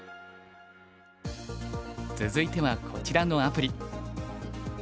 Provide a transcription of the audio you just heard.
続いてはこちらのアプリ。